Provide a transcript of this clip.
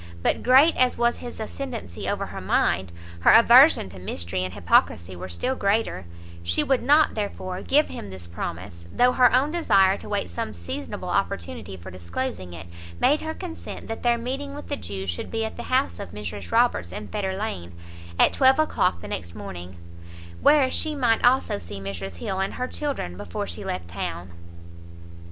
But great as was his [ascendancy] over her mind, her aversion to mystery and hypocrisy were still greater; she would not, therefore, give him this promise, though her own desire to wait some seasonable opportunity for disclosing it, made her consent that their meeting with the Jew should be at the house of Mrs Roberts in Fetter lane, at twelve o'clock the next morning; where she might also see Mrs Hill and her children before she left town.